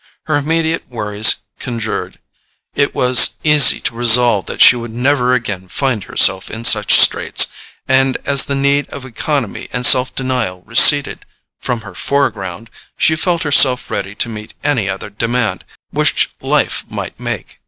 Her immediate worries conjured, it was easy to resolve that she would never again find herself in such straits, and as the need of economy and self denial receded from her foreground she felt herself ready to meet any other demand which life might make.